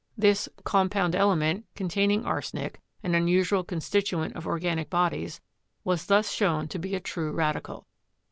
This "compound element" containing arsenic (an unusual constituent of organic bodies) was thus shown to be a true radical.